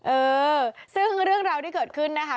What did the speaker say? เออซึ่งเรื่องราวที่เกิดขึ้นนะคะ